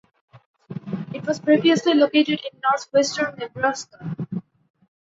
It was previously located in northwestern Nebraska.